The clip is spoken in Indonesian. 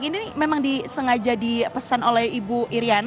ini memang disengaja di pesan oleh ibu iryana